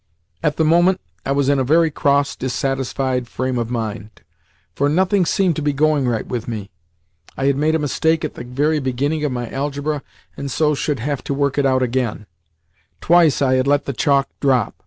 At the moment I was in a very cross, dissatisfied frame of mind, for nothing seemed to be going right with me. I had made a mistake at the very beginning of my algebra, and so should have to work it out again; twice I had let the chalk drop.